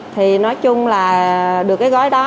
thì nói chung là được cái gói đó